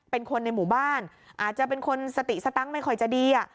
เป็นคนในหมู่บ้านอาจจะเป็นคนสติสตังค์ไม่ค่อยจะดี